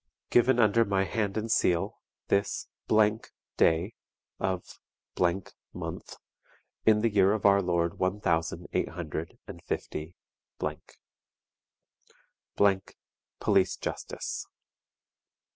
"Given under my hand and seal, this day of , in the year of our Lord one thousand eight hundred and fifty .", Police Justice."